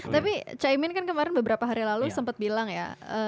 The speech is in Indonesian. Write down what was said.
tapi caimin kan kemarin beberapa hari lalu sempat bilang ya